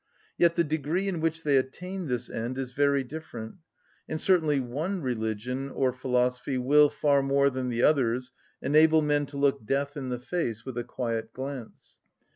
Yet the degree in which they attain this end is very different, and certainly one religion or philosophy will, far more than the others, enable men to look death in the face with a quiet glance.